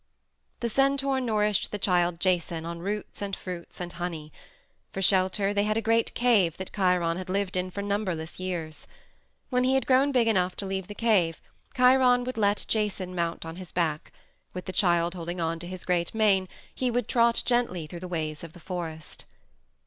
The centaur nourished the child Jason on roots and fruits and honey; for shelter they had a great cave that Chiron had lived in for numberless years. When he had grown big enough to leave the cave Chiron would let Jason mount on his back; with the child holding on to his great mane he would trot gently through the ways of the forest.